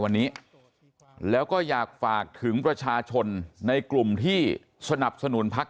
วันนี้แล้วก็อยากฝากถึงประชาชนในกลุ่มที่สนับสนุนพัก